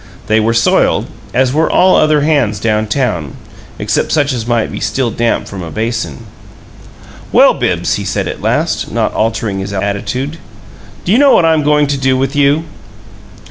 They were soiled, as were all other hands down town, except such as might be still damp from a basin. "Well, Bibbs," he said at last, not altering his attitude, "do you know what I'm goin' to do with you?"